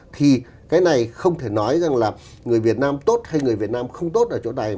thì cái này không thể nói rằng là người việt nam tốt hay người việt nam không tốt ở chỗ này